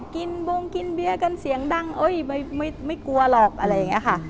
บงกินเบียร์กันเสียงดังเอ้ยไม่กลัวหรอกอะไรอย่างนี้ค่ะ